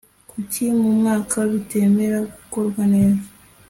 kuki mu mwaka bitemera gukorwa neza